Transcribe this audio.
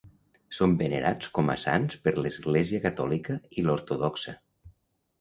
Són venerats com a sants per l'Església catòlica i l'ortodoxa.